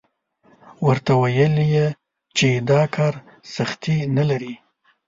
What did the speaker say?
ورته ویل یې چې دا کار سختي نه لري.